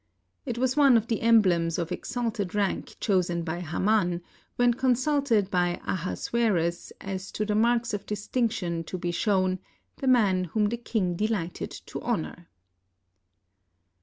It was one of the emblems of exalted rank chosen by Haman, when consulted by Ahasuerus as to the marks of distinction to be shown " the man whom the king delighted to honor."